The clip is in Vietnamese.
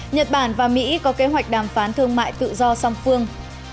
nhật bản và mỹ có kế hoạch đàm phán thương mại tự do song phương